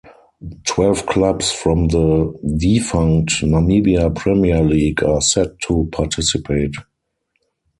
Twelve clubs from the defunct Namibia Premier League are set to participate.